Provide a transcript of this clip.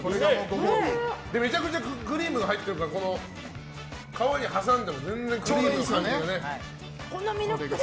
めちゃくちゃクリームが入ってるから皮に挟んでも全然クリーム感じるね。